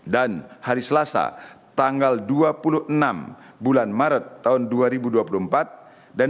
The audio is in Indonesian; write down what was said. dan hari selasa tanggal dua puluh enam bulan maret tahun dua ribu dua puluh satu